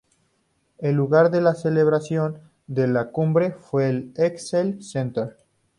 El lugar de celebración de la Cumbre fue el ExCel Centre.